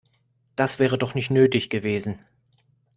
Das wäre doch nicht nötig gewesen.